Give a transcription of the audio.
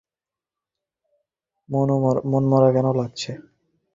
মনমরা কেন লাগছে?